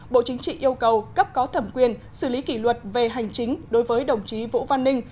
bộ chính trị yêu cầu cấp có thẩm quyền xử lý kỷ luật về hành chính đối với đồng chí vũ văn ninh